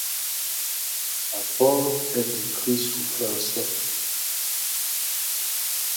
La porte est détruite sous François.